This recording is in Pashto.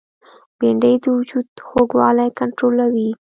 بېنډۍ د وجود خوږوالی کنټرولوي